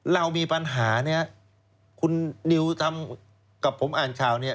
เรามีปัญหาคุณนิวทำกับผมอ่านข่าวนี้